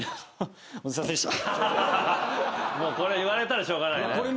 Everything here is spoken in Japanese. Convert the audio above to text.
もうこれ言われたらしょうがないよね。